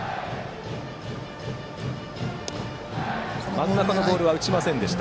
真ん中のボールは打ちませんでした。